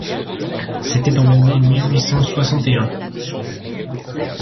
C’était en l’année mille huit cent soixante et un.